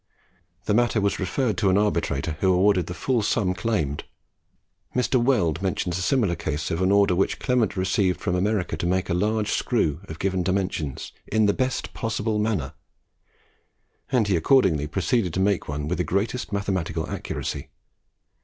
The matter was referred to an arbitrator, who awarded the full sum claimed. Mr. Weld mentions a similar case of an order which Clement received from America to make a large screw of given dimensions "in the best possible manner," and he accordingly proceeded to make one with the greatest mathematical accuracy.